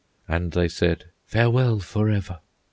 And they said, "Farewell forever!"